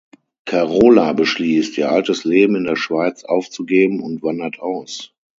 Carola beschließt, ihr altes Leben in der Schweiz aufzugeben und wandert aus.